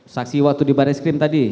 saksi waktu dibarai skrim tadi